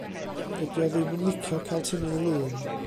Dydi o ddim yn licio cael tynnu 'i lun.